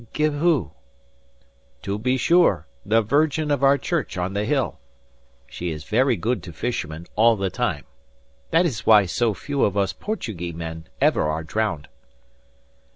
"Give who?" "To be sure the Virgin of our Church on the Hill. She is very good to fishermen all the time. That is why so few of us Portugee men ever are drowned."